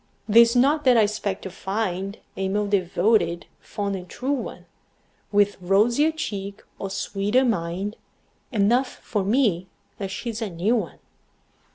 'Tis not that I expect to find A more devoted, fond and true one, With rosier cheek or sweeter mind Enough for me that she's a new one.